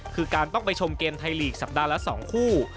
คือการต้องไปชมเกมไทยลีกสัปดาห์ละ๒คู่